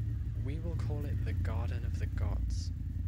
We will call it the Garden of the Gods.